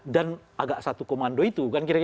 dan agak satu komando itu